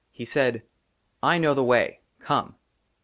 HE SAID, " I KNOW THE WAY, COME."